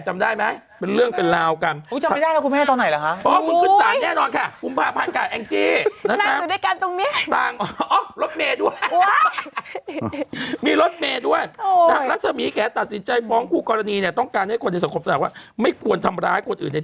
ไม่แต่งเต๋อง้อยกับจินตรา